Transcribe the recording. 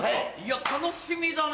楽しみだな！